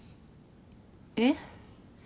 えっ？